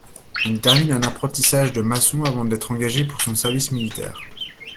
Il termine un apprentissage de maçon avant d'être engagé pour son service militaire.